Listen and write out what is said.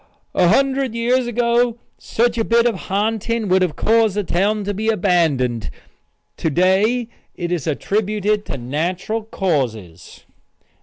"A hundred years ago such a bit of ha'nting would have caused the town to be abandoned; to day it is attributed to natural causes."